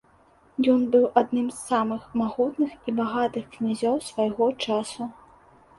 Ён быў быў адным з самых магутных і багатых князёў свайго часу.